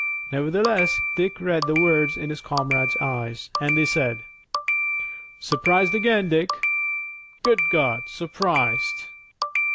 Nevertheless Dick read the words in his comrade's eyes, and they said: "Surprised again, Dick! Good God, surprised!"